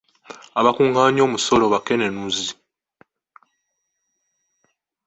Abakungaanya omusolo bakenenuzi